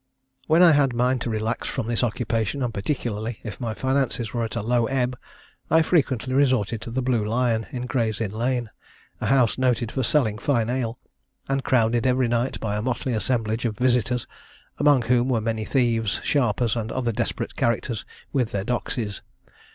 "When I had a mind to relax from this occupation, and particularly if my finances were at a low ebb, I frequently resorted to the Blue Lion, in Gray's Inn Lane, a house noted for selling fine ale, and crowded every night by a motley assemblage of visitors, among whom were many thieves, sharpers, and other desperate characters, with their doxies.